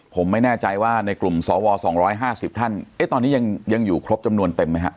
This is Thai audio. ผมไม่แน่ใจว่าในกลุ่มสว๒๕๐ท่านตอนนี้ยังอยู่ครบจำนวนเต็มไหมฮะ